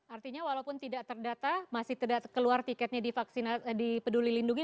artinya walaupun tidak terdata masih tidak keluar tiketnya di peduli lindungi